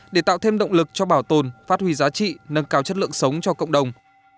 để tạo thêm động lực cho bảo tồn phát huy giá trị nâng cao chất lượng sống cho cộng đồng